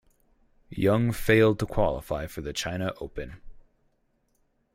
Young failed to qualify for the China Open.